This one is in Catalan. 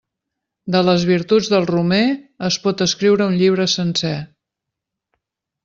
De les virtuts del romer es pot escriure un llibre sencer.